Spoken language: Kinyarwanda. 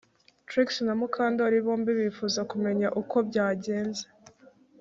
Trix na Mukandoli bombi bifuza kumenya uko byagenze